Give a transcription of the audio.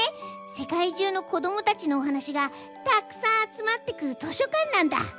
せかい中の子どもたちのお話がたくさんあつまってくる図書かんなんだ。